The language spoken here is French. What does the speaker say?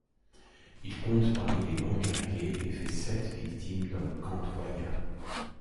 Il compte parmi les bons guerriers, et fait sept victimes dans le camp troyen.